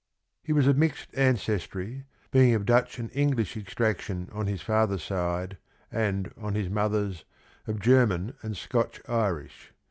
He was of mixed ancestry, being of Dutch and English extraction on his father's side and, on his mother's, of German and Scotch Irish.